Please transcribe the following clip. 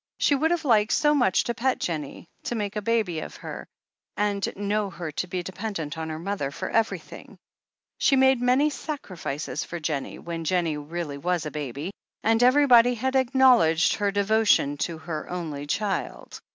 She would have liked so much to pet Jennie, and make a baby of her, and know her to be dependent on her mother for everything ! She had made many sacrifices for Jennie when Jennie really was a baby, and everybody had acknowledged her devotion to her only child.